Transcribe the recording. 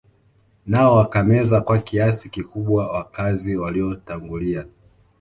Nao wakameza kwa kiasi kikubwa wakazi waliotangulia